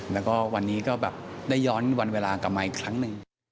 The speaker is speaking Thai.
แล้วก็วันนี้ก็สมัครวันเวลากลับมาอีกครั้งหนึ่ง